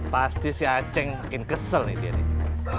pasti si aceh makin kesel nih dia nih